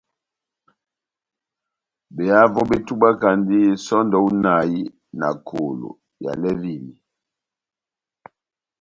Behavo betubwakandi sɔndɛ hú inahi na kolo ya lɛvini.